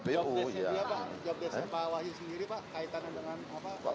jawabannya pak wahyu sendiri pak kaitannya dengan apa